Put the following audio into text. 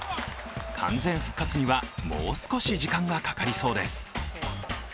完全復活にはもう少し時間がかかりそうです。